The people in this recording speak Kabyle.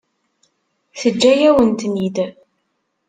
Teǧǧa-yawen-ten-id?